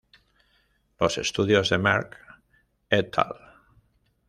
Los estudios de Merckx "et al.